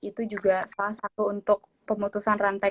itu juga salah satu untuk pemutusan rantai